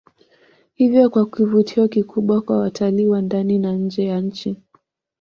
Hivyo kuwa kivutio kikubwa kwa watalii wa ndani na nje ya nchi